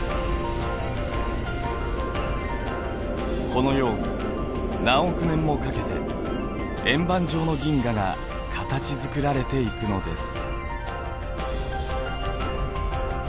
このように何億年もかけて円盤状の銀河が形づくられていくのです。